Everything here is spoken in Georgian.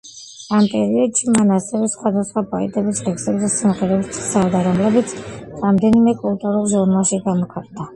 ამ პერიოდში, მან ასევე სხვადასხვა პოეტების ლექსებზე სიმღერებს თხზავდა, რომლებიც რამდენიმე კულტურულ ჟურნალში გამოქვეყნდა.